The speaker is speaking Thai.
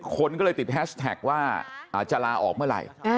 คนก็เลยติดแฮชแท็กว่าจะลาออกเมื่อไหร่